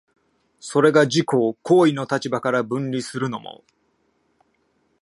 それが自己を行為の立場から分離するのも、